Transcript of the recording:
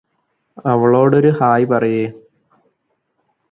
അവളോടൊരു hi പറയ്